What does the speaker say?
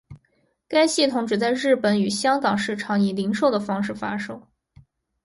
该系统只在日本与香港市场以零售的方式发售。